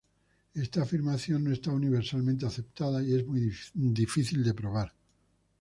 Esta afirmación no está universalmente aceptada y es muy difícil de probar.